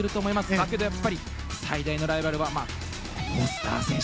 だけど、やっぱり最大のライバルはフォスター選手